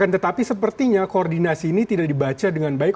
tetapi sepertinya koordinasi ini tidak dibaca dengan baik